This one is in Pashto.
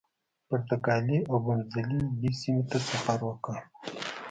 پرتګالي اوبمزلي دې سیمې ته سفر وکړ.